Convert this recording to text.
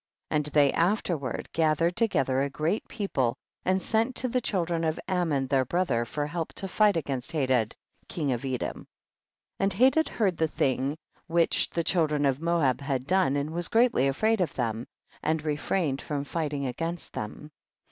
5. And they afterward gathered together a great people, and sent to the children of Ammon their brethren 2^4 THE BOOK OF JASHER. for help to fight against Hadad king of Edom. 6. And Hadad heard the thing which the children of Moab had done, and was greatly afraid of them, and refrained from fighting against them.